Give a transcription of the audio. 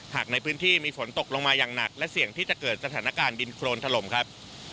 หากในพื้นที่มีฝนตกลงมาอย่างหนักและเสี่ยงที่จะเกิดสถานการณ์ดินโครนถล่มครับ